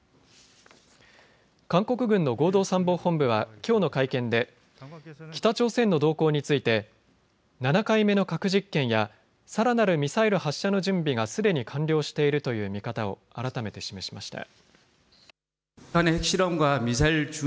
韓国軍の合同参謀本部はきょうの会見で北朝鮮の動向について７回目の核実験やさらなるミサイル発射の準備がすでに完了しているという見方を改めて示しました。